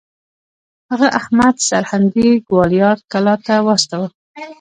هغه احمد سرهندي ګوالیار کلا ته واستوه.